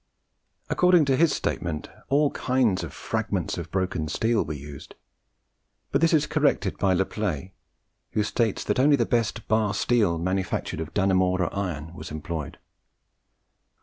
According to his statement all kinds of fragments of broken steel were used; but this is corrected by Le Play, who states that only the best bar steel manufactured of Dannemora iron was employed.